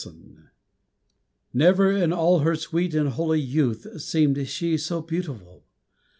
Joseph NEVER in all her sweet and holy youth Seemed she so beautiful!